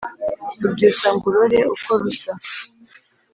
rubyutsa ngo urore uko rusa